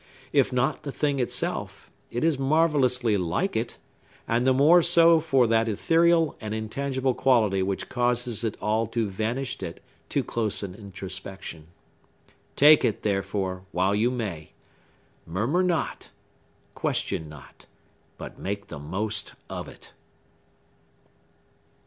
If not the thing itself, it is marvellously like it, and the more so for that ethereal and intangible quality which causes it all to vanish at too close an introspection. Take it, therefore, while you may. Murmur not,—question not,—but make the most of it!